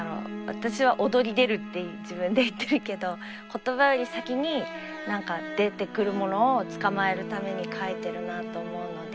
私は「躍り出る」って自分で言ってるけど言葉より先に何か出てくるものをつかまえるために描いてるなあと思うので。